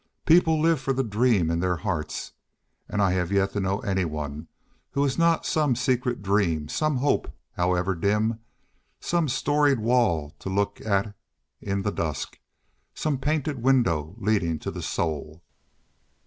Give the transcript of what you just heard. People live for the dream in their hearts. And I have yet to know anyone who has not some secret dream, some hope, however dim, some storied wall to look at in the dusk, some painted window leading to the soul.